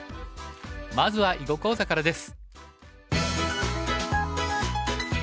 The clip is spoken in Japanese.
まずは囲碁講座からです。